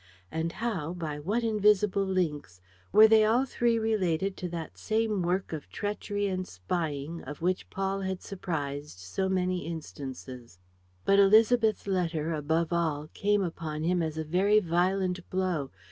And how, by what invisible links, were they all three related to that same work of treachery and spying of which Paul had surprised so many instances? But Élisabeth's letter, above all, came upon him as a very violent blow.